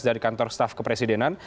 dari kantor staff kepresidenan